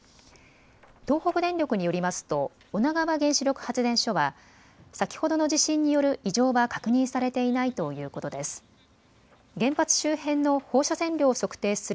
東北電力によりますと女川原子力発電所は先ほどの地震による異常は確認されていないということです。